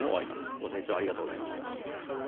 ご清聴、ありがとうございました。